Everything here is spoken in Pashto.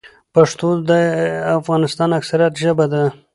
پښتو د افغانستان اکثريت ژبه ده.